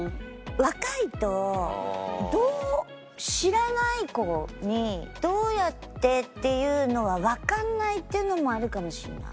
若いとどう知らない子にどうやってっていうのはわかんないっていうのもあるかもしれない。